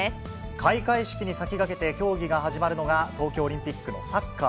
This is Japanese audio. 開会式に先駆けて競技が始まるのが、東京オリンピックのサッカー。